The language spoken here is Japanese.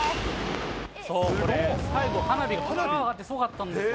最後、花火が上がってすごかったんです。